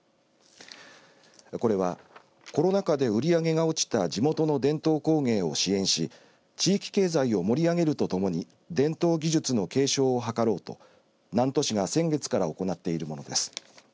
これはコロナ禍で売り上げが落ちた地元の伝統工芸を支援し地域経済を盛り上げるとともに伝統技術の継承を図ろうと南砺市が先月から行っているものです。